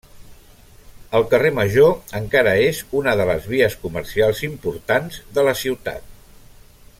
El carrer Major encara és una de les vies comercials importants de la ciutat.